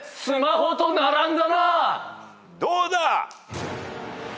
どうだ？